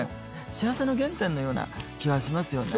幸せの原点のような気はしますよね。